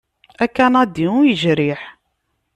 Akanadi ur yejriḥ.